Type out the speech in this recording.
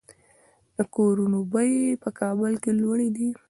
د کورونو بیې په کابل کې لوړې دي